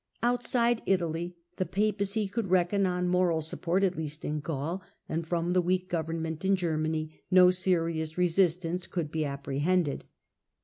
Outside Italy the Papacy could reckon on moral support at least in Gaul, and from the weak govern ment in Germany no serious resistance could be appre hended.